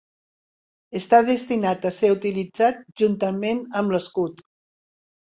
Està destinat a ser utilitzat juntament amb l'escut.